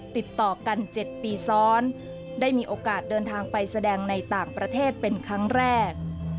ติดต่อกัน๗ปีซ้อนได้มีโอกาสเดินทางไปแสดงในต่างประเทศเป็นครั้งแรก